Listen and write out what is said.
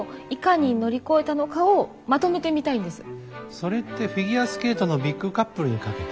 それってフィギュアスケートのビッグカップルにかけて？